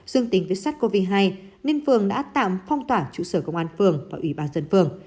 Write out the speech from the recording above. dương tính với sắt covid một mươi chín nên phường đã tạm phong tỏa trụ sở công an phường và ủy ban dân phường